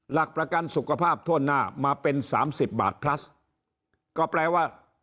หลักประกันสุขภาพทั่วหน้ามาเป็นสามสิบบาทพลัสก็แปลว่า